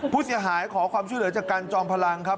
ผู้เสียหายขอความช่วยเหลือจากการจอมพลังครับ